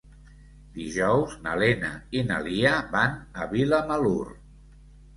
Dijous na Lena i na Lia van a Vilamalur.